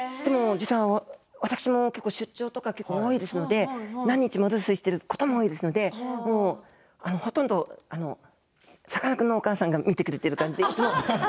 私も出張とかが結構多いですので何日も留守にしていることも多いですのでほとんど、さかなクンのお母さんが見てくれていて。